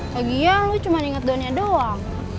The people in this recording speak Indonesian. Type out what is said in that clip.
laginya lo cuma inget donnya doang